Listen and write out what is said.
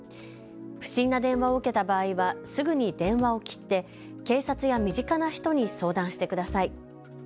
不審な電話を受けた場合はすぐに電話を切って、警察や身近な人に相談してください。